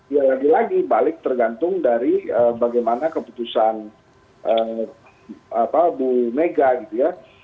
ya lagi lagi balik tergantung dari bagaimana keputusan bu mega gitu ya